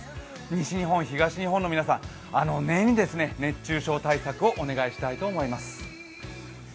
西日本、東日本の皆さん、念入りに熱中症対策をお願いしたいと思います。